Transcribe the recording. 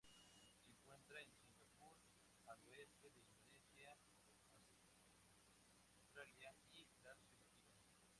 Se encuentra en Singapur, al oeste de Indonesia Australia y las Filipinas.